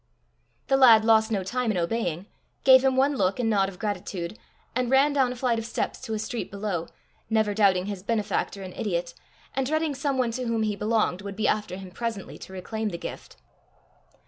The lad lost no time in obeying, gave him one look and nod of gratitude, and ran down a flight of steps to a street below, never doubting his benefactor an idiot, and dreading some one to whom he belonged would be after him presently to reclaim the gift.